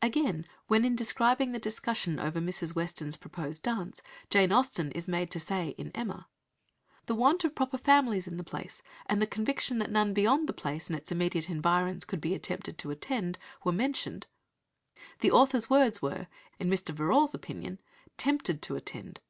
Again, when in describing the discussion over Mrs. Weston's proposed dance, Jane Austen is made to say (in Emma), "The want of proper families in the place, and the conviction that none beyond the place and its immediate environs could be attempted to attend, were mentioned," the author's words were, in Mr. Verrall's opinion, "tempted to attend."